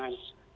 satu lagi dibuka